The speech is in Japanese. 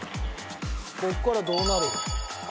ここからどうなるの？